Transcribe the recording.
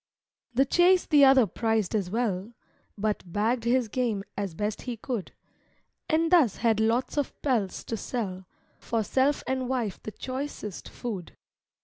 The chase the other prized as well; But bagged his game as best he could, And thus had lots of pelts to sell For self and wife the choicest food.